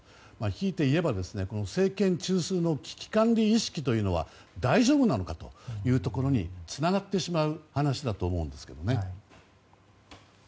ひいていえば政権中枢の危機管理意識というのは大丈夫なのかというところにつながってしまう話だと思うんですよね。